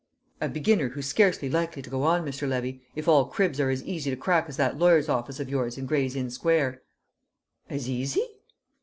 "A beginner who's scarcely likely to go on, Mr. Levy, if all cribs are as easy to crack as that lawyers' office of yours in Gray's Inn Square." "As easy?"